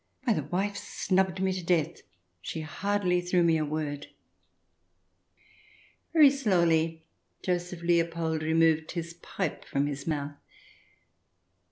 Why, the wife snubbed me to death ! She hardly threw me a word. ..." Very slowly Joseph Leopold removed his pipe from his mouth.